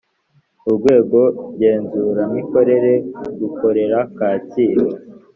urwego ngenzuramikorere rukorera kacyiru